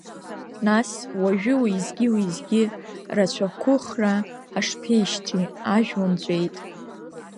Нас, уажәы уеизгьы-уеизгьы рацәақәыхра ҳашԥеишьҭри, ажәла нҵәеит!